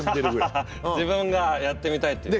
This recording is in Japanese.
自分がやってみたいっていうね。